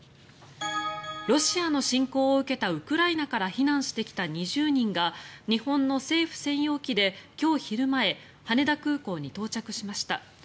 ロシアの侵攻を受けたウクライナから避難してきた２０人が日本の政府専用機で今日昼前羽田空港に到着しました。